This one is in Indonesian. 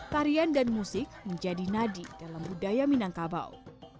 tarian dan musik menjadi nadi dalam budaya minangkabau